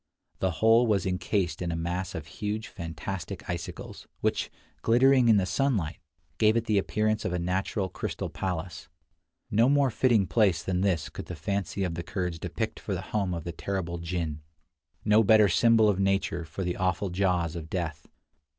The whole was incased in a mass of huge fantastic icicles, which, glittering in the sunlight, gave it the appearance of a natural crystal palace. No more fitting place than this could the fancy of the Kurds depict for the home of the terrible jinn; no better symbol of nature for the awful jaws of death.